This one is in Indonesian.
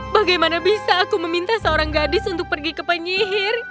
bagaimana bisa aku meminta seorang gadis untuk pergi ke penyihir